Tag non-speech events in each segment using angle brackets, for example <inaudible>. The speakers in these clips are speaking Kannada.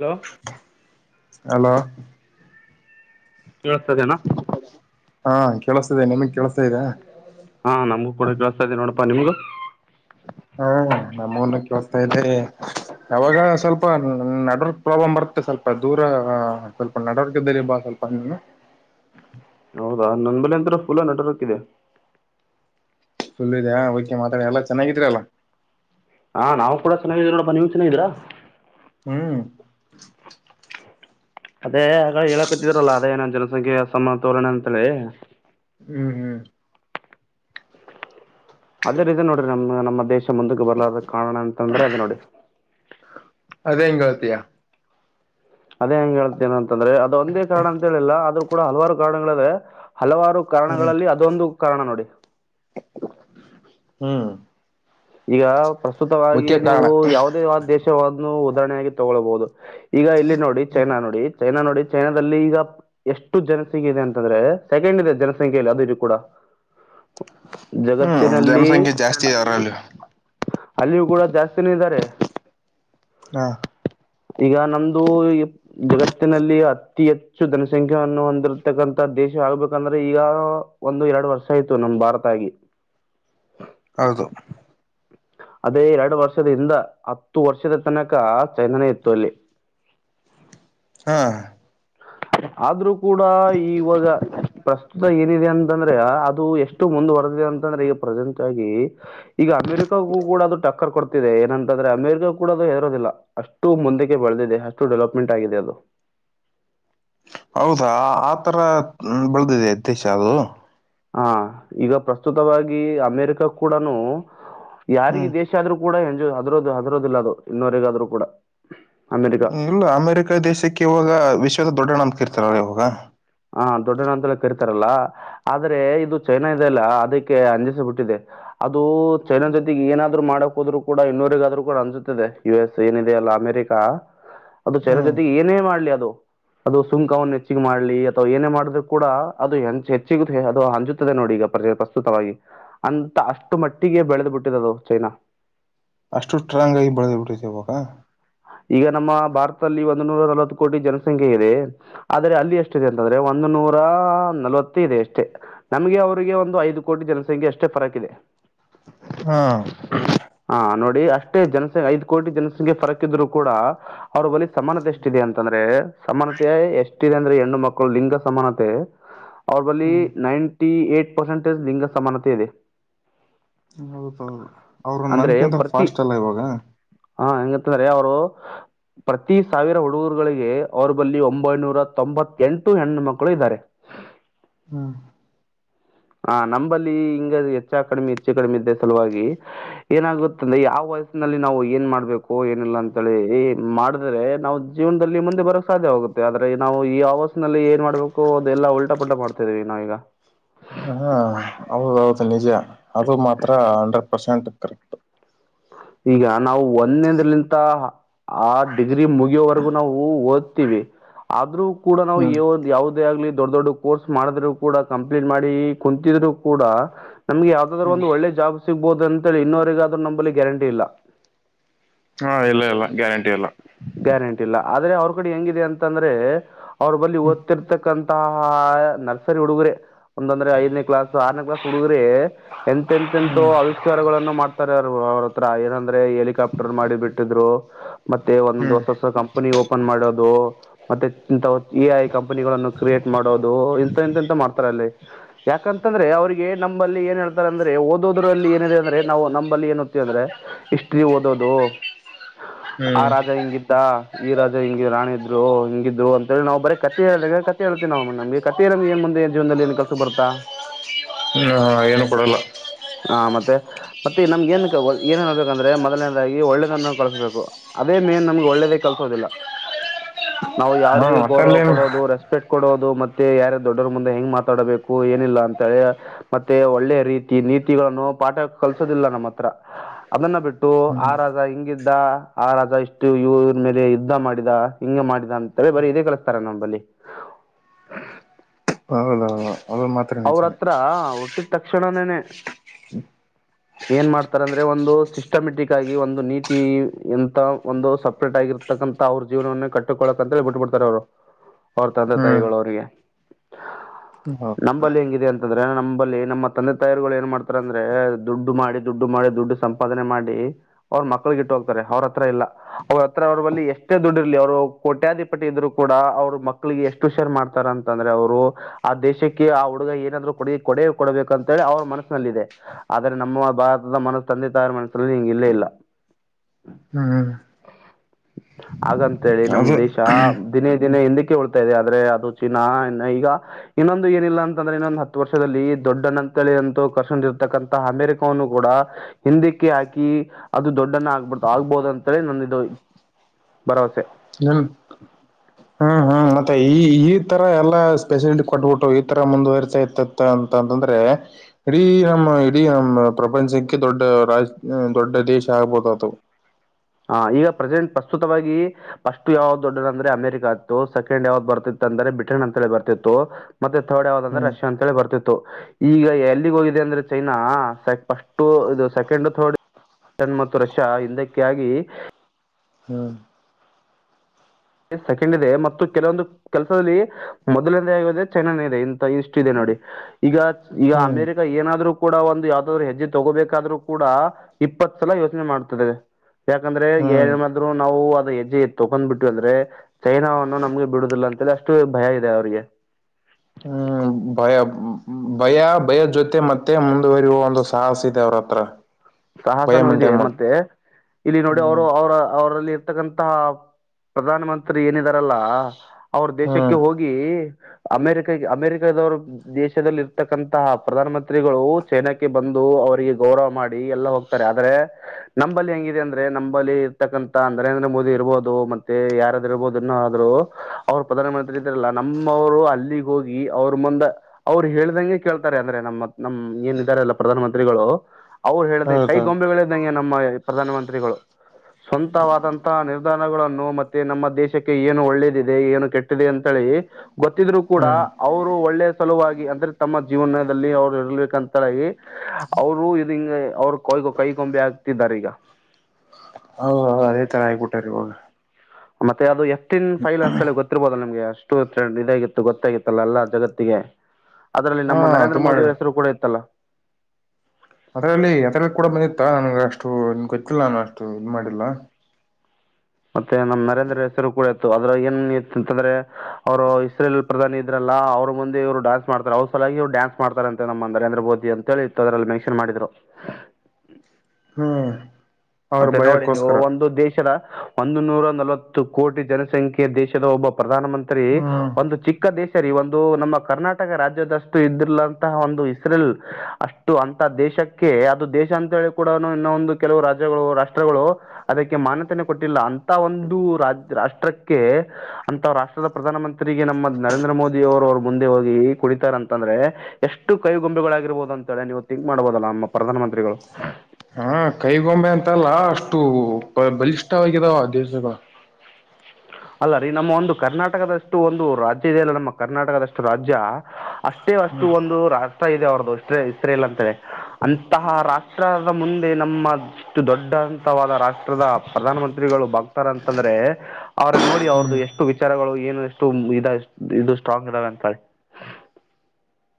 ಹಲೋ ಹಲೋ ಕೇಳುಸ್ತಾ ಇದ್ದೇನೋ ಹಾ ಕೆಲ್ಸ್ತದೆ ನಮಗ್ ಕೆಳ್ಸ್ತಾ ಇದ್ದಾ ಹಾಂ ನಮಗೂ ಕೂಡ ಕೇಳಸ್ತಾ ಇದಿ ನೋಡಪ್ಪಾ ನಿಮ್ಗು <unintelligible> ಹಾ ನಮ್ಮೂನ ಕೇಳತಾ ಇದ್ದೆ ಯಾವಾಗ ಸ್ವಲ್ಪ ನಡವರ್ಕ್ ಪ್ರಾಬ್ಲಮ್ ಬರುತ್ತೆ ಸ್ವಲ್ಪ ದೂರ ಸ್ವಲ್ಪ ನೆಟ್ವರ್ಕ್ ಬಾ <unintelligible> ಹೌದಾ ನಂದ <unintelligible> ಮಲೆ ಅಂತ ಫುಲ್ ನೆಟ್ವರ್ಕ್ ಇದೆ ಫುಲ್ ಇದಿಯಾ ಓಕೆ ಮಾತಾಡಿ ಎಲ್ಲಾ ಚೆನ್ನಾಗಿದ್ರಲ್ಲ ಹಾ ನಾವು ಕೂಡ ಚೆನ್ನಾಗಿದೀರ ನಡಪ್ಪಾ ನೀವು್ ಚೆನ್ನಾಗಿದೀರಾ ಹ್ಮ್ ಅದೇ ಆ ಹೇಳಕತ್ತಿದರಲ್ಲ ಅದೇ ಏ ಜನಸಂಖ್ಯೆ ಸಮತೋಲರಣ ಅಂತ ಹೇಳಿ ಹ್ಮ್ ಹ್ಮ್ ಅದೇ ರೀಸನ್ ನೋಡ್ರಿ ನಮ್ ನಮ್ಮ ದೇಶ ಮುಂದಕ್ಕೆ ಬರ್ಲಾರ ಕಾರಣ ಅಂತಂದ್ರೆ ಅದೇ ನೋಡಿ ಅದೆಂಗ್ ಹೇಳ್ತಿಯ ಅದೇ ಹೆಂಗಗೆ ಹೇಳ್ತೇನ ಅಂತಂದ್ರೆ ಅದು ಒಂದೇ ಕಾರಣ ಅಂತ ಹೇಳಿಲ್ಲ ಆದ್ರೂ ಕೂಡ ಹಲವಾರು ಕಾರಣಗಳಾವ ಹಲವಾರು ಹ್ಮ್ ಕಾರಣಗಳಲ್ಲಿ ಅದೊಂದು ಕಾರಣ ನೋಡಿ ಹ್ಮ್ ಈಗ ಪ್ರಸ್ತುತವಾಗಿ ಮುಖ್ಯ ನೀವು ಕಾರಣ ಯಾವುದೇ ದೇಶವನ್ನು ಉದಾಹರಣೆಯಾಗಿ ತಗೊಳ್ಬಹುದು ಈಗ ಇಲ್ಲಿ ನೋಡಿ ಚೈನಾ ನೋಡಿ ಚೈನಾ ನೋಡಿ ಚೈನಾದಲ್ಲಿ ಈಗ ಎಷ್ಟು ಜನಸಂಖ್ಯೆ ಇದೆ ಅಂತಂದ್ರೆ ಸೆಕೆಂಡ್ ಇದೆ ಜನಸಂಖ್ಯೆೆಯಲ್ಲಿ ಅದು ಇದು ಕೂಡ ಹ್ಮ್ ಜನಸಂಖ್ಯೆ ಜಾಸ್ತಿ ಇದಾವ್ರಲ್ಲ ಅಲ್ಲಿೂ ಕೂಡ ಜಾಸ್ತಿನ ಇದ್ದಾರೆ ಹ ಈಗ ನಮ್ದು ಜಗತ್ತಿನಲ್ಲಿ ಅತಿ ಹೆಚ್ಚು ಜನಸಂಖ್ಯನ್ನು ಹೊಂದಿರತಕ್ಕಂಥ ದೇಶ ಆಗ್ಬೇಕಂದ್ರೆ ಈಗ ಒಂದು ಎರಡು ವರ್ಷ ಆಯ್ತು ನಮ್ ಭಾರತ ಆಗಿ ಹೌದು ಅದೇ ಎರಡು ವರ್ಷದ ಹಿಂದ ಹತ್ತು ವರ್ಷದ ತನಕ ಚೈನಾನೇ ಇತ್ತು ಅಲ್ಲಿ ಹಾ ಆದ್ರೂ ಕೂಡ ಈವಾಗ ಪ್ರಸ್ತುತ ಏನಿದೆ ಅಂತಂದ್ರೆ ಅದು ಎಷ್ಟು ಮುಂದುವರೆದಿದೆ ಅಂತಂದ್ರೆ ಈಗ ಪ್ರೆಸೆಂಟ್ ಆಗಿ ಈಗ ಅಮೆರಿಕ ಅಮೇರಿಕ ಕೂಡ ಅದು ಟಕ್ಕರ್ ಕೊಡ್ತ ಏನಂತಂದ್ರೆ ಅಮೆರಿಕ ಕೂಡ ಅದು ಹರೋದಿಲ್ಲ ಅಷ್ಟು ಮುಂದಕ್ಕೆ ಬಳದಿದೆ ಅಷ್ಟು ಡೆವಲಪ್ಮೆಂಟ್ ಆಗಿದೆ ಅದು ಹೌದಾ ಆತರ ಬೆಳೆದಿದೆ ದೇಶ ಅದು ಹಾ ಈಗ ಪ್ರಸ್ತುತವಾಗಿ ಅಮೇರಿಕ ಕೂಡನು ಯಾರಿಿಗೆ ಹ್ಮ್ ದೇಶ ಆದ್ರೂ ಕೂಡ ಹೆಂಜು ಹದರೋದು ಹದಿರೋದಿಲ್ಲ ಅದು ಇನ್ನವರೆಗಾದ್ ಕೂಡ ಅಮೆರಿಕ ಇಲ್ಲ ಅಮೇರಿಕ ದೇಶಕ್ಕೆ ಇವಾಗ ವಿಶ್ವದ ದೊಡ್ಡಣ್ಣ ಅಂತ ಕಿರ್ತಾರ್ರ ಇವಾಗ ಹ ದೊಡ್ಡಣ ಅಂತ ಕರಿತಾರಲ್ಲ ಆದ್ರೆ ಇದು ಚೈನಾ ಇದೆ ಅಲ್ಲ ಅದಕ್ಕೆ ಅಂಜಿಸಬಿಟ್ಟಿದೆ ಅದು ಚೀನಾ ಜೊತೆಗೆ ಏನಾದ್ರು ಮಾಡ ಹಾ ಹೋದ್ರು ಕೂಡ ಇನ್ನೂರಿಗಾದ್ರರು ಕೂಡ ಅನ್ಸುತ್ತಿದೆ ಯು ಎಸ್ ಏನಿದೆ ಅಲ್ಲ ಅಮೆರಿಕ ಅದು ಚೈನ ಹ್ಮ್ ಜೊತೆಗೆ ಏನೇ ಮಾಡ್ಲಿ ಅದು ಅದು ಸುಂಕವನ್ನು ಹೆಚ್ಚಿಗೆ ಮಾಡ್ಲಿ ಅ ಏನೇ ಮಾಡಿದ್ೂ ಕೂಡ ಅದು ಹೆಚ್ಚಿಗ ಅದು ಹಂಜುತ್ತದೆ ನೋಡಿ ಈಗೆ ಪ್ರಸ್ತುತವಾಗಿ ಅ ಅಷ್ಟು ಮಟ್ಟಿಗೆ ಬೆಳೆದ ಬಿಟ್ಟಿದದು ಚೈನಾ ಅಷ್ಟು ಟ್ರಾಂಗ್ ಆಗಿ ಬೆಳದ್ ಬಿಟ್ಟತಿ ಇವಾಗ ಈಗ ನಮ್ಮ ಭಾರತದಲ್ಲಿ ಒಂದು ನೂರ ನಲವತ್ತು ಕೋಟಿ ಜನಸಂಖ್ಯೆ ಇದೆ ಆದ್ರೆ ಅಲ್ಲಿ ಎಷ್ಟಿದೆ ಅಂತಂದ್ರೆ ಒಂದು ಒ ನೂರ ನಲವತ್ತು ಇದೆ ಅಷ್ಟೇ ನಮ್ಗೆ ಅವರಿಗೆ ಒಂದು ಐದು ಕೋಟಿ ಜನಸಂಖ್ಯೆ ಅಷ್ಟೇ ಫರಕ್ ಇದೆ ಹಾ ಹಾಂ ಅಷ್ಟೇ ಜನಸಂಖೆ ಐದು ಕೋಟಿ ಜನಸಂಖೆ ಫರಕ್ ಇದ್ರು ಕೂಡ ಅವ್ರು ವಲಿಸಿ ಸಮಾನತೆ ಎಷ್ಟಿದೆ ಅಂತಂದ್ರೆ ಸಮಾನತೆ ಎಷ್ಟಿದೆ ಅಂದ್ರೆ ಹೆಣ್ಣು ಮಕ್ಕಳು ಲಿಂಗ ಸಮಾನತೆ ಅವ್ರ ಬಲ್ಲಿ ಹ್ಮ್ ನೈಂಟಿ ಏಟ್ ಪರ್ಸೆಂಟೇಜ್ ಲಿಂಗ ಸಮಾನತೆ ಇದೆ ಹೌದೌದು ಅವರು ಅಂದರೆ ನಂಬ್ಕೆಂತ ಪ್ರತಿ ಫಾಸ್ಟ್ ಅಲ್ಲ ಇವಾಗ ಹಾ ಹೆಂಗ ತಂದ್ರ ಯ ಅವರು ಪ್ರತಿ ಸಾವಿರ ಹುಡುಗರುಗಳಿಗೆ ಅವ್ರ ಬಲ್ಲಿ ಒಂಬೈನೂರ ತೊಂಬತ್ತೆಂಟು ಹೆಣ್ಣು ಮಕ್ಕಳು ಇದ್ದಾರೆ ಹ್ಮ ಹ ನಂಬಲ್ಲಿ ಹಿಂಗ ಹೆಚ್ಚ ಕಡಿಮೆ ಹೆಚ್ಚು ಕಡಿಮೆ ಇದ್ದೆ ಸಲುವಾಗಿ ಏನಾಗುತ್ತೆಂದ್ರೆ ಯಾವ ವಯಸ್ಸಿನಲ್ಲಿ ನಾವು ಏನ್ ಮಾಡ್ಬೇಕು ಏನಿಲ್ಲ ಅಂತೇಳಿ ಮಾಡಿದ್ರೆ ನಾವು ಜೀವನದಲ್ಲಿ ಮುಂದೆ ಬರಕ್ ಸಾಧ್ಯ ೋಗುತ್ತ ಆದ್ರೆ ನಾವು ಈ ಆವಸ್ ನಲ್ಲಿ ಏನ್ ಮಾಡ್ಬೇಕು ಅದೆಲ್ಲಾ ಉಲ್ಟಾ ಪಲ್ಟ ಮಾಡ್ತಾಿದೀವಿ ನಾವೀಗ ಹ ಹೌದೌದು ನಿಜ ಅದು ಮಾತ್ರ ಹಂಡ್ರೆಡ್ ಪರ್ಸೆಂಟ್ ಕರೆಕ್ಟ್ ಈಗ ನಾವು ಒಂದೇದ್ರಲಿಂತ ಆ ಡಿಗ್ರಿ ಮುಗಿಯವರೆಗೂ ನಾವು ಓದ್ತಿವಿ ಆದ್ರೂ ಕೂಡ ನಾವು ಹ್ಮ್ ಒಂದು ಯಾವುದೇ ಆಗ್ಲಿ ದೊಡ್ಡ ದೊಡ್ಡ ಕೋರ್ಸ್ ಮಾಡಿದ್ರು ಕೂಡ ಕಂಪ್ಲೀಟ್ ಮಾಡಿ ಕುಂತಿದ್ರು ಕೂಡ ನಮ್ಗೆ ಯಾವ್ದಾದ್ರು ಹ್ಮ್ ಒಂದು ಒಳ್ಳೆ ಜಾಬ್ ಸಿಗ್ಬಹುದು ಅಂತೇಳಿ ಇನ್ನವರೆಗಾದ್ರರು ನಂಬಲ್ಲಿ ಗ್ಯಾರಂಟಿ ಇಲ್ಲ ಹಾ ಇಲ್ಲ ಇಲ್ಲ ಗ್ಯಾರಂಟಿ ಇಲ್ಲ ಗ್ಯಾರಂಟಿ ಇಲ್ಲ ಆದ್ರೆ ಅವ್ರ ಕಡೆ ಹೆಂಗಿದೆ ಅಂತಂದ್ರೆ ಅವ್ರ ಬಳಿ ಹ್ಮ್ ಓದಿರಿದಂತ ಅಂತ ನರ್ಸರಿ ಹುಡುಗರೆ ಒಂದಂದ್ರೆ ಐದನೇ ಕ್ಲಾಸ್ ಆರನೇ ಕ್ಲಾಸ್ ಹುಡುಗ್ರೆ ಎಂತೆ ಎಂತೆ ಎಂತ ಅವವಿಷ್ಕಾರಗಳನ್ನ ಮಾಡ್ತಾರೆ ಅವರು ಅವ ಏನಂದ್ರೆ ಹೆಲಿಕಾಪ್ಟರ್ ಮಾಡಿ ಬಿಟ್ಟಿದ್ರು ಮತ್ತೆ ಒಂದೊಂದ್ ಹ್ಮ್ ಹೊಸ ಹೊಸ ಕಂಪನಿ ಓಪನ್ ಮಾಡೋ ಮತ್ತೆ ಇಥ ಎ ಐ ಕಂಪನಿಗಳನ್ನು ಕ್ರಿಯೇಟ್ ಮಾಡೋದು ಇಂತ ಎಂತ ಎಂತ ಮಾಡ್ತಾರ ಅಲ್ಲಿ ಯಾಕಂತಂದ್ರೆ ಅವ್ರಿಗೆ ನಂಬಲ್ಲಿ ಏನ್ ಹೇಳ್ತಾರೆ ಅಂದ್ರೆ ಓದೋದ್ರ ಅಲ್ಲಿ ಏನಿದೆ ಅಂದ್ರೆ ನಾವು ನಂಬಲ್ಲಿ ಏನತ್ತವಿ ಅಂದ್ರೆ ಹಿಸ್ಟರಿ ಓದೋದು ಆ ಹ್ಮ್ ರಾಜ ಹಿಂಗಿದ್ದ ಈ ರಾಜ ಹಿಂಗ ರಾಣಿದ ಇದ್ರು ಹಿಂಗಿದ್ರು ಅಂತೇಳಿ ನಾವು ಬರೀ ಕತೆೆ ಹೇಳ್ದ ಕಥೆ ಹೇಳ್ತವಿ. ಮ್ಮ ನಮಗೆ ಕಥೆ ಹೇಳಿದ್ರ ಏನ್ ಮುಂದ ಜೀವನದಲ್ಲಿ ಏನ್ ಕೆಲಸಕ್ಕ ಬರ್ತಾ? ಹ್ಮ ಏನು ಕೊಡಲ್ಲ. ಆ, ಮತ್ತೆ ಮತ್ತೆ ನಮ್ಗ ಏನ್ ಏನ್ ಹೇಳ್ಬೇಕಂದ್ರೆ ಮೊದಲನೇದಾಗಿ ಒಳ್ಳೇಯದನ್ನ ಕಲ್ಸ್ಬೇಕು. ಅದೇ ಮೇನ್ ನಮ್ಗೆ ಒಳ್ಳೇದೇ ಕಲ್ಸೋದಿಲ್ಲ. ನಾವು ಹಾ ಯಾರಿಗೆ ಗೌರವ ಒಟ್ಟಲ್ಲಿ ಕೊಡೋದು ರೆಸ್ಪೆಕ್ಟ್ ಕೊಡೋದು ಮತ್ತೆ ಯಾರ ದೊಡ್ಡರ ಮುಂದೆ ಹೆಂಗ್ ಮಾತಾಡಬೇಕು ಏನಿಲ್ಲ ಅಂತ ಹೇಳಿ ಮತ್ತೆ ಒಳ್ಳೆ ರೀತಿ ನೀತಿಗಳು <unintelligible> ಪಾಠ ಕಲ್ಸೋದಿಲ್ಲ ನಮ್ಮ ಹತ್ರ ಅದನ್ನ ಬಿಟ್ಟು ಆ ಹ್ಮ್ ರಾಜ ಹಿಂಗಿದ್ದ ಆ ರಾಜ ಇಷ್ಟು ಇವ್ರ ಮೇಲೆ ಯುದ್ಧ ಮಾಡಿದ ಹಿಂಗ ಮಾಡಿದ ಅಂತ ಬರೀ ಇದೇ ಕಳಸ್ತಾರ ನಮ್ಮ ಬಲ್ಲಿ ಹೌದದು ಅದು ಮಾತ್ರ ಅವ್ರ ನಿಜಾನೆ. ಹತ್ರ ಹುಟ್ಟಿದ <unintelligible> ಏನ್ ಮಾಡ್ತಾರ ಅಂದ್ರೆ ಒಂದು ಸಿಸ್ಟಮೆಟಿಕ್ ಆಗಿ ಒಂದು ನೀತಿ ಇಂತ ಒಂದು ಸಪ್ರೇಟ್ ಆಗಿರ್ತ್ತ. ಇರತಕ್ಕಂಥ ಅವ್ರ ಜೀವನವನ್ನೇ ಕಟ್ಟಕೊಳಕ್ ಅಂತ ಹೇಳಿ ಬಿಟ್ಟಬಿಡ್ತಾರೆ ಅವ್ರು ಅವ್ರ ತಂದೆ ತಾಯಿಗಳು ಹ್ಮ್ ಅವ್ರಿಗೆ. ಹೌದು ನಂಬಲ್ಲಿ ಹೆಂಗಿದೆ ಅಂತ ಅಂದ್ರೆ ನಮ್ಮ ನಂಬಲ್ಲಿ ನಮ್ಮ ತಂದೆ ತಾಯಿರುಗಳು ಏನ್ ಮಾಡ್ತಾರ ಅಂದ್ರೆ ದುಡ್ಡು ಮಾಡಿ ದುಡ್ಡು ಮಾಡಿ ದುಡ್ಡು ಸಂಪಾದನೆ ಮಾಡಿ ಅವ್ರ ಮಕ್ಕಳಿಗೆ ಇಟ್ಟ ಹೋಗ್ತಾರೆ ಅವ್ರ ಹತ್ರ ಇಲ್ಲ ಅವ್ರ ಹತ್ರ ಅವರ ಬಲ್ಲಿ ಎಷ್ಟೇ ದುಡ್ಡ ಇರ್ಲಿ ಅವರು ಕೋಟ್ಯಾಧಿಪತಿ ಇದ್ರು ಕೂಡ ಅವ್ರ ಮಕ್ಕಳಿಗೆ ಎಷ್ಟು ಶೇರ್ ಮಾಡ್ತಾರ ಅಂತಂದ್ರೆ ಅವ್ರು ಆ ದೇಶಕ್ಕೆ ಕ್ಕೆ ಆ ಹುಡುಗ ಏನಾದ್ರೂ ಕೊ ಕೊಡುಗೆ ಕೊಡಬೇಕು ಅಂತ ಹೇಳಿ ಅವರ ಮನಸ್ಸಲ್ಲಿ ಇದೆ ಆದ್ರೆ ನಮ್ಮ ಭಾರತದ ಮನಸ್ ತಂದೆ ತಾಯಿಯರ ಮನಸಲ್ಲಿ ಹಿಂಗೆ ಇಲ್ಲೇ ಇಲ್ಲ. ಹ್ಮ್ ಹಾಗಂತ ಹೇಳಿ ನಮ್ ಅದು ದೇಶ ದಿನೇ ದಿನೇ ಹಿಂದಕ್ ಕ್ಕ ಹೋಗ್ತಾ ಇದೆ ಆದ್ರೆ ಅದು ಚೀನಾ ಈಗ ಇನ್ನೊಂದು ಏನಿಲ್ಲ ಅಂತಂದ್ರೆ ಇನ್ನೊಂದು ಹತ್ತು ವರ್ಷದಲ್ಲಿ ದೊಡ್ಡ ನಂತಳಿ ಅಂತೂ ಕರ್ಸೊಂಡಿರ್ತಕ್ಕಂತಥ ಅಮೆರಿಕವನ್ನು ಕೂಡ ಹಿಂದಿಕ್ಕೆ ಹಾಕಿ ಅದು ದೊಡ್ಡನ್ನ ಆಗ್ಬಿಡ್ತು ಆಗ್ಬೋದ ಅಂತ ಹೇಳಿ ನನ್ನ ಇದು ಬರವಸೆ. ಹ್ಮ ಹ್ಮ್ ಹ್ಮ್ ಮತ್ತೆ ಈ ಈ ತರ ಎಲ್ಲಾ ಸ್ಪೆಷಲಿಟಿ ಕೊಟ್ಬಿಟ್ಟು ಈ ತರ ಮುಂದುವರ್ತಾ ಇತತ್ತ ಅಂತ ಅಂತಂದ್ರೆ ಇಡೀ ನಮ್ಮ ಇಡೀ ನಮ್ಮ ಪ್ರಪಂಚಕ್ಕೆ ದೊಡ್ಡ ರಾಜ್ ದೊಡ್ಡ ದೇಶ ಆಗ್ಬೋದ ಆತವೂ ಹ ಈಗ ಪ್ರೆಸೆಂಟ್ ಪ್ರಸ್ತುತವಾಗಿ ಫಸ್ಟ್ ಯಾವ್ದ ದೊಡ್ಡ ಅಂದ್ರೆ ಅಮೆರಿಕ ಆ ಇತ್ತು ಸೆಕೆಂಡ್ ಯಾವ್ದ್ ಬರ್ತೈತಿ - ಅಂತಂದ್ರೆ ಬ್ರಿಟನ್ ಅಂತ ಹೇಳಿ ಬರ್ತಿತ್ತು ಮತ್ತೆ ಥರ್ಡ್ ಯಾವ್ದ ಅಂದ್ರೆ ಹ್ಮ್ ರಷ್ಯಾ ಅಂತ ಹೇಳಿ ಬರ್ತಿತ್ತು. ಇತ್ತು ಈಗ ಎಲ್ಲಿಗೆ ಹೋಗಿದೆ ಅಂದ್ರೆ ಚೈನಾ ಫಸ್ಟ್ ಇದು ಸೆಕೆಂಡ್ ಥರ್ಡ್ ಬ್ರಿಟನ್ ಮತ್ತು ರಷ್ಯಾ ಹಿಂದಕ್ಕೆಆಗಿ ಹ್ಮ್ ಸೆಕೆಂಡ್ ಇದೆ ಮತ್ತು ಕೆಲವೊಂದು ಕೆಲಸದಲ್ಲಿ ಮೊದಲನದೇ <inaudible> ಚೈನಾನೇ ಇದೆ ಇಂತ ಇಷ್ಟು ದಿನ <inaudible> ಈಗ ಈಗ ಹ್ಮ್ ಅಮೆರಿಕ ಏನಾದ್ರೂ ಕೂಡ ಒಂದು ಯಾವುದಾದರೂ ಹೆಜ್ಜೆ ತಗೋಬೇಕಾದ್ರು ಕೂಡ ಇಪ್ಪತ್ ಸಲ ಯೋಚನೆ ಮಾಡ್ತದೆ. ಯಾಕಂದ್ರೆ ಏನೇನಾದ್ರು ನಾವು ಅದ ಹೆಜ್ಜೆ ತಗೊಂಡ್ ಬಿಟ್ಟು- ಅಂದ್ರೆ ಚೈನಾವನ್ನು ನಮ್ಗೆ ಬಿಡುದಿಲ್ಲ ಅಂತ ಹೇಳಿ ಅಷ್ಟು ಭಯ ಇದೆ ಅವ್ರಿಗೆ. ಹ್ಮ್ ಭಯ ಭಯ ಭಯದ ಜೊತೆ ಮತ್ತೆ ಮುಂದುವರಿಯುವ ಒಂದು ಸಾಹಸ ಇದೆ ಅವರ ಅವರತ್ರ - ಸಾಹಸನೂ ಇದೆ ಮತ್ತೆ ಇಲ್ಲಿ ನೋಡಿ ಅವರು ಹ್ಮ್ ಅವರ ಅವರಲ್ಲಿ ಇರ್ತಕ್ಕಂತಹ ಪ್ರಧಾನ ಮಂತ್ರಿ ಏನಿದಾರಲ್ಲ ಅವ್ರ ಹ್ಮ್ ದೇಶಕ್ಕೆ ಹೋಗಿ ಅಮೆರಿಕಾಗೆ ಅಮೆರಿಕದವರ ದೇಶದಲ್ಲಿ ಇರ್ತಕ್ಕಂತಹ ಪ್ರಧಾನ ಮಂತ್ರಿಗಳು ಚೈನಾಕ್ಕೆ ಬಂದು ಓ ಅವರಿಗೆ ಗೌರವ ಮಾಡಿ ಎಲ್ಲ ಹೋಗ್ತಾರೆ ಆದ್ರೆ ನಂಬಲ್ಲಿ ಹೆಂಗಿದೆ ಅಂದ್ರೆ ನಂಬಲ್ಲಿ ಇರ್ತಕ್ಕಂತ ನರೇಂದ್ರ ಮೋದಿ ಇರ್ಬೋದು ಮತ್ತೆ ಯಾರಾದರು ಇರಬಹದು ಇನ್ನ ಆದ್ರು ಅವ್ರು ಪ್ರಧಾನ ಮಂತ್ರಿ ಇದಾರಲ್ಲ ನಮ್ಮವರು ಅಲ್ಲಿಗೆ ಹೋಗಿ ಅವರು ಅವರು ಮುಂದ ಅವ್ರು ಹೇಳಿದಂಗೆ ಕೇಳ್ತಾರೆ ಅಂದ್ರೆ ನಮ್ಮ ನಮ್ ಏನಿದ್ದಾರೆ ಎಲ್ಲ ಪ್ರಧಾನ ಮಂತ್ರಿಗಳು ಅವ್ರು ಹೇಳ್ದ ಕೈ ಹೌದು ಗೊಂಬೆಗಳಿದ್ದಂಗೆ ನಮ್ಮ ಪ್ರಧಾನಮಂತ್ರಿಗಳು ಸ್ವಂತವಾದಂತಹ ನಿರ್ಧಾರ ಗುಣಗಳನ್ನು ಮತ್ತೆ ನಮ್ಮ ದೇಶಕ್ಕೆ ಏನು ಒಳ್ಳೇದಿದೆ ಏನು ಕೆಟ್ಟಿದೆ ಅಂತ ಹೇಳಿ ಹ ಗೊತ್ತಿದ್ರು ಕೂಡ ಹ್ಮ್ ಅವರು ಒಳ್ಳೆ ಸಲುವಾಗಿ ಅಂದ್ರೆ ತಮ್ಮ ಜೀವನದಲ್ಲಿ ಅವರು ಇರಲಿಕಂತಾಗಿ ಹ್ಹ ಅವರು ಇದಿಂಗ ಅವರು ಕೊಯ್ ಕೈ ಗೊಂಬೆ ಆಗತ್ತಿದಾರೆ ಈಗ ಹೌದ ಅದೇ ತರ ಆಗ್ಬಿಟ್ಟದ ನೋಡ ಮತ್ತೆ ಅದು ಎಫಟಿನ್ ಫೈಲ್ ಅಂತಲ ಗೊತ್ತಿರ್ಬೋದ ನಿಮಗೆ ಅಷ್ಟು ಇದಾಗಿತ್ತು ಗೊತ್ತಾಗಿತ್ತಲ್ಲ ಎಲ್ಲಾ ಜಗತ್ತಿಗೆ ಅದರಲ್ಲಿ ಹಾ ನಮ್ಮ ನರೇಂದ್ರ ಮೋದಿ ತುಂಬಾ ಅವರ ಹೆಸರು ಕೂಡ ಇತ್ತಲ್ಲ ಅದರಲ್ಲಿ ಎಫೆಲ್ ಕೂಡ ಬಂದಿತ್ತಾ ನನಗೆ ಅಷ್ಟು ಗೊತ್ತಿಲ್ಲ ನಾ ಅಷ್ಟು ಇದು ಮಾಡಿಲ್ಲ ಮತ್ತೆ ನಮ್ಮ ನರೇಂದ್ರ ಹೆಸರು ಕೂಡ ಇತ್ತು ಅದ್ರ ಏನ್ ಇತ್ತು ಅಂತಂದ್ರೆ ಅವರು ಇಸ್ರೇಲ್ ಪ್ರಧಾನಿ ಇದ್ರಲ್ಲ ಲ್ಲಾ ಅವರ ಮುಂದೆ ಇವರು ಡಾನ್ಸ್ ಮಾಡತಾರೆ ಅವ್ರ ಸಲವಾಗಿ ಇವುರು ಡ್ಯಾನ್ಸ ಮಾಡ್ತಾರಂತೆ ನರೇಂದ್ರ ಮೋದಿ ಅಂತ ಹೇಳಿತ್ತು ಅದ್ರಲ್ಲಿ ಮೆನ್ಷನ್ ಮಾಡಿದ್ರು <inaudible> <unintelligible> ಹು ಮತ್ತೆ ನೋಡಿ ನೀವು ಒಂದು ದೇಶದ ಒಂದು ನೂರಾ ನಲವತ್ತು ಕೋಟಿ ಜನಸಂಖ್ಯೆ ದೇಶದ ಒಬ್ಬ ಪ್ರಧಾನಮಂತ್ರಿ ಹ ಹ್ಮ್ ಒಂದು ಚಿಕ್ಕ ದೇಶ ಸರಿ ಒಂದು ನಮ್ಮ ಕರ್ನಾಟಕ ರಾಜ್ಯದಷ್ಟು ಇದ್ದಿರಲಂತಹ ಒಂದು ಇಸ್ರೇಲ್ ಅಷ್ಟು ಅಂತ ದೇಶ ದೇಶಕ್ಕೆ ಅದು ದೇಶ ಅಂತೇಳಿ ಕೂಡ ಇನ್ನು ಒಂದು ಕೆಲವು ರಾಜ್ಯ ರಾಜ್ಯಗಳು ರಾಷ್ಟ್ರಗಳು ಅದಕ್ಕೆ ಮಾನ್ಯತೆನೆ ಕೊಟ್ಟಿಲ್ಲ ಅಂತ ಒಂದು ರಾಜ ರಾಷ್ಟ್ರಕ್ಕೆ ಅಂತ ರಾಷ್ಟ್ರದ ಪ್ರಧಾನಮಂತ್ರಿಗೆ ನಮ್ಮ ನರೇಂದ್ರ ಮೋದಿ ಅವರು ಅವರು ಮುಂದೆ ಹೋಗಿ ಕುಣಿತಾರ ಅಂತಂದ್ರೆ ಎಷ್ಟು ಎಷ್ಟು ಕೈ ಗೊಂಬಿಗಳಾಗಿರ್ಬಹುದು ಅಂತೇಳಿ ನೀವು ತಿಂಕ್ ಮಾಡ್ಬೋದಲ್ಲ ನಮ್ಮ ಪ್ರಧಾನಮಂತ್ರಿಗಳು ಹ್ಹು ಹಾ ಕೈಗೊಂಬೆ ಅಂತಲ್ಲ ಅಷ್ಟು ಬಲಿಷ್ಠವಾಗಿದಾವ ದೇಶಗಳು ಹು ಹಜ್ ಅಲ್ಲ ರೀ ನಮ್ಮ ಒಂದು ಕರ್ನಾಟಕದಷ್ಟು ಒಂದು ರಾಜ್ಯ ಇದೆಯಲ್ಲ ನಮ್ಮ ಕರ್ನಾಟಕದಷ್ಟು ರಾಜ್ಯ ಹಅ ಅಷ್ಟೇ ಅಷ್ಟು ಒಂದು ರಾಷ್ಟ್ರ ಇದೆ ಅವರದ್ದು ಇಷ್ಟೇ ಇಸ್ರೇಲ್ ಅಂತೇಳೆ ಹ್ಹ ಅಂತಹ ರಾಷ್ಟ್ರದ ಮುಂದೆ ನಮ್ಮ ಇಷ್ಟು ದೊಡ್ಡಂತವಾದ ರಾಷ್ಟ್ರದ ಪ್ರಧಾನಮಂತ್ರಿ ಗಳು ಬಗ್ಗತಾರಂತಂದ್ರೆ ಅವ್ರ ನೋಡಿ ಅವರದು ಎಷ್ಟು ವಿಚಾರಗಳು ಏನು ಎಷ್ಟು ಇದ ಇದು ಸ್ಟ್ರಾಂಗ್ ಇದಾವ ಅಂತೇಳಿ ಹ್ಹು <inaudible>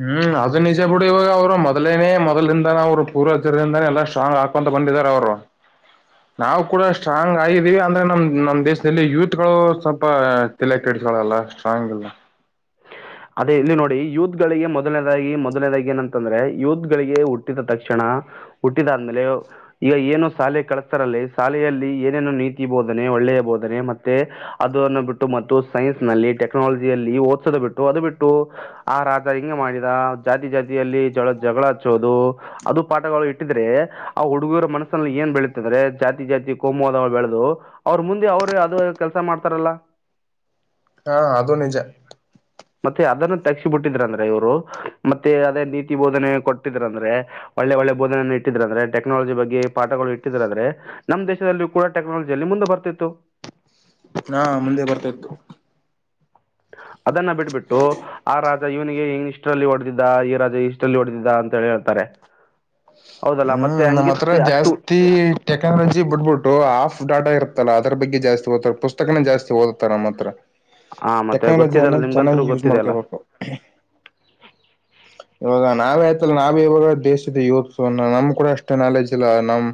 ಹು ಅದು ನಿಜ ಬಿಡು ಇವಾಗ ಅವ್ರ ಮೊದಲೇನೆ ಮೊದ್ಲಿಂದಾನ ಅವ್ರ ಪೂರ್ವಜರದಿಂದಾನನೆ ಎಲ್ಲ ಸ್ಟ್ರಾಂಗ್ ಹಾಕೊಂತ ಬಂದಿದಾರೆ ಅವರು ನಾವು ಕೂಡ ಸ್ಟ್ರಾಂಗ್ ಆಗಿದ್ದೀವಿ ಅಂದ್ರೆ ನಮ್ಮ ನಮ್ಮ ದೇಶದಲ್ಲಿ ಯೂತ್ ಗಳು ಸ್ವಲ್ಪ ತೆಲೆಕೆಟ್ಟ ಇವಳಲ್ಲ ಸ್ಟ್ರಾಂಗಲ್ಲ ಅದೇ ಇಲ್ಲಿ ನೋಡಿ ಯೂತ್ ಗಳಿಗೆ ಮೊದಲನೇದಾಗಿ ಮೊದಲನೇದಾಗಿ ಏನಂತಂದ್ರೆ ಯೂತ್ ಗಳಿಗೆ ಹುಟ್ಟಿದ ತಕ್ಷಣಾ ಆ ಹುಟ್ಟಿದಾದ್ಮೇಲೆ ಯೂ ಈಗ ಏನು ಶಾಲೆ ಕಳಸ್ತಾರಲ್ಲ ಶಾಲೆಯಲ್ಲಿ ಏನೇನು ನೀತಿ ಬೋಧನೆ ಒಳ್ಳೆಯ ಬೋಧನೆ ಮತ್ತೆ ಅದು ಅನ್ನು ಬಿಟ್ಟು ಮತ್ತು ಸೈನ್ಸ್ ನಲ್ಲಿ ಟೆಕ್ನಾಲಜಿಯಲ್ಲಿ ಓತ್ಸದ ಬಿಟ್ಟು ಅದು ಬಿಟ್ಟು ಆ ರಾಜ ಹಿಂಗೆ ಮಾಡಿದ ಜಾತಿ ಜಾತಿಯಲ್ಲಿ ಜಗ ಜಗಳ ಹಚ್ಚೋದು ಅದು ಒಂದು ಪಾಠಗಳು ಇಟ್ಟಿದ್ರೆ ಆ ಹುಡುಗುರು ಮನಸ್ಸಲ್ಲಿ ಏನ್ ಬೆಳೀತ ಅಂದ್ರೆ ಜಾತಿ ಜಾತಿ ಕೋಮುವಾದಗಳು ಬೆಳೆದು ಅವ್ರ ಮುಂದೆ ಅವ್ರು ಅದು ಕೆಲ್ಸ ಮಾಡ್ತಾರಲ್ಲ ಹಾ ಅದು ನಿಜ ಮತ್ತೆ ಅದನ್ನು ತಗಸಿ ಬಿಟ್ಟಿದ್ರಂದ್ರೆ ಇವ್ರು ಮತ್ತೆ ಅದೇ ನೀತಿ ಬೋಧನೆ ಕೊಟ್ಟಿದ್ರಂದ್ರೆ ಹ್ಹ ಒಳ್ಳೆ ಒಳ್ಳೆ ಬೋಧನೆಯನ ಇಟ್ಟಿದ್ರಂದ್ರೆ ಟೆಕ್ನಾಲಜಿ ಬಗ್ಗೆ ಪಾಠಗಳು ಇಟ್ಟಿದಂದ್ರೆ ನಮ್ಮ ದೇಶದಲ್ಲೂ ಕೂಡ ಟೆಕ್ನಾಲಜಿಯಲ್ಲಿ ಮುಂದ ಮುಂದ ಬರ್ತಿತ್ತು ಟಕ್ ಹಾ ಮುಂದೆ ಬರ್ತಾ ಇತ್ತು ತಿತಿತಿಸ್ ಅದನ್ನ ಬಿಟ್ಬಿಟ್ಟು ಆ ರಾಜ ಇವನಿಗೆ ಹಿಂಗ್ ಇಷ್ಟರಲ್ಲಿ ಹೊಡೆದಿದ್ದ ಈ ರಾಜ ಇಷ್ಟರಲ್ಲಿ ಹೊಡೆದಿದ್ದ ಅಂತ ಹೇಳಿ ಹೇಳ್ತಾರೆ ರೆ ಹ್ಹ ಹ ನಮ್ಮ ಹತ್ರ ಜಾಸ್ತಿ ಟೆಕ್ನಾಲಜಿ ಬಿಟ್ಬಿಟ್ಟು ಆಫ ಡಾಟಾ ಇರುತ್ತಲ್ಲ ಅದ್ರ ಬಗ್ಗೆ ಜಾಸ್ತಿ ಓದತಾರೆ ಪುಸ್ತಕನ ಜಾಸ್ತಿ ಓದತ್ತಾರ ನಮ್ಮ ಹತ್ರ ಹ್ಹಿ ಹಾಂ ಮತ್ತೆ ಟೆಕ್ನಾಲಜಿಯನ್ನ ಗೊತ್ತಿದೆಯಲ್ಲ ಚೆನ್ನಾಗಿ ನಿಮ್ಗಂತೂ ಯೂಸ್ ಗೊತ್ತಿದೆಯಲ್ಲ ಮಾಡ್ಕೋಬೇಕು ಖ್ಖ ಇವಾಗ ನಾವೇ ಆಯ್ತಲ್ಲ ನಾವೇ ಇವಾಗ ದೇಶದ ಯವಕರು ಸೊ ನಮ್ ಕೂಡ ಅಷ್ಟೇ ನಾಲೆಜ್ ಇಲ್ಲ ನಮ್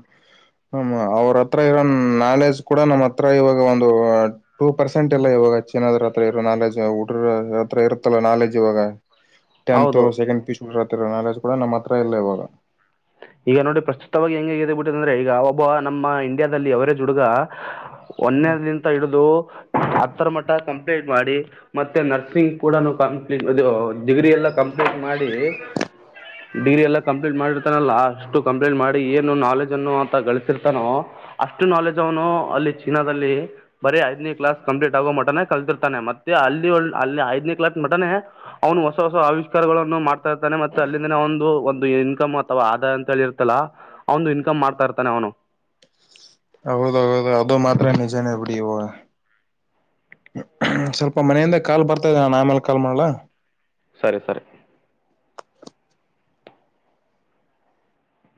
ಹ ಅವ್ರ ಹತ್ರ ಇರೋ ನಾಲೆಜ್ ಕೂಡ ನಮ್ಮ್ ಹತ್ರ ಇವಾಗ ಒಂದು ಟೂ ಪರ್ಸೆಂಟ್ ಇಲ್ಲ ಇವಾಗ ಇವಾಗ ಚೆನ್ನದ್ರ ಹತ್ರ ಇರೋ ನಾಲೆಜ್ <unintelligible> ಉಡ್ರ ಹತ್ರ ಇರುತ್ತಲ್ಲ ನಾಲೆಜ್ ಇವಾಗ ಟೆಂತ್ ಹೌದು ಸೆಕೆಂಡ್ ಪೀಸ್ ಕಡತಿರೋ ನಾಲೆಜ್ ಕೂಡ ನಮ್ಮ ಹತ್ರ ಇಲ್ಲ ಇವಾಗ ಈಗ ನೋಡಿ ಪ್ರಸ್ತುತವಾಗಿ ಹೆಂಂಗಗೆ ಇದೆ ಬಿಟ್ಟಿದೆ ಅಂದ್ರೆ ಈಗ ಒಬ್ಬ ನಮ್ಮ ಇಂಡಿಯಾದಲ್ಲಿ ಎವರೇಜ್ ಹುಡುಗ ಒನ್ನೇಂತ ಹಿಡಿದು ಹತ್ತರ ಮಟ್ಟ ಕಂಪ್ಲೀಂಟ್ ಮಾಡಿ ಮತ್ತೆ ನರ್ಸಿಂಗ್ ಕೂಡ ಕಂಪ್ಲೀಟ್ ಇ ಡಿಗ್ರಿ ಎಲ್ಲ ಕಂಪ್ಲೀಟ್ ಮಾಡಿ ಡಿಗ್ರಿ ಎಲ್ಲ ಕಂಪ್ಲೀಟ್ ಮಾಡಿ ಲ್ಲ ಅಷ್ಟು ಕಂಪ್ಲೇಂಟ್ ಮಾಡಿ ಏನು ನಾಲೆಜ್ ಅನ್ನು ಅಂತ ಗಳಿಸಿರ್ತಾನೋ ಅಷ್ಟು ನಾಲೆಜ್ ಅವನು ಅಲ್ಲಿ ಚೀನಾದಲ್ಲಿ ಬರೀ ಐದನೇ ಕ್ಲಾಸ್ ಕಂಪ್ಲೀಟ್ ಆಗೋ ಮಟ್ಟನ ಕಲ್ತಿರ್ತಾನೆ ಮತ್ತೆ ಅಲ್ಲಿ ಒ ಅಲ್ಲಿ ಐದನೇ ಕ್ಲಾಸ್ ಮಟನೆ ಅವನು ಹೊಸ ಹೊಸ ಆವಿಸ್ಕಾರಗಳನ್ನು ಮಾಡ್ತಾ ಇರ್ತನೆ ಮತ್ತೆ ಅಲ್ಲಿಂದನ ಒಂದು ಒಂದು <unintelligible> ಅಥವಾ ಆಧಾಯ ಅಂತ ಹೇಳಿ ಇರ್ತಲ್ಲ ಅವನು ಇನ್ಕಮ್ ಮಾಡ್ತಾ ಇರ್ತಾನೆ ಅವನು ಹೌದು ಹೌದು ಅದು ಮಾತ್ರ ನಿಜನ ಬಿಡಿ ಇವಾಗ ಸ್ವಲ್ಪ ಮನೆಯಿಂದ ಕಾಲ್ ಬರ್ತಾದೆ ಅಣ್ಣ ಆಮೇಲೆ ಕಾಲ್ ಮಾಡ್ಲ ಸರಿ ಸರಿ